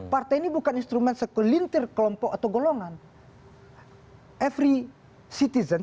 partai ini bukan instrumen kelintir kelompok atau golongan